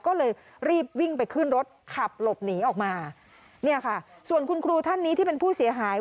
ก็เลยรีบวิ่งไปขึ้นรถขับหลบหนีออกมาเนี่ยค่ะส่วนคุณครูท่านนี้ที่เป็นผู้เสียหาย